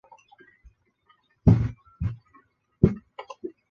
屏边厚壳树为紫草科厚壳树属下的一个种。